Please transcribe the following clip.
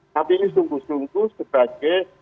tapi ini sungguh sungguh sebagai